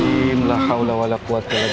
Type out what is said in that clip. tayang astaghfirullahaladzim ya allah fauntal